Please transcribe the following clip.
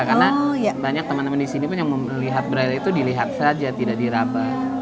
karena banyak teman teman di sini pun yang melihat brele itu dilihat saja tidak diraba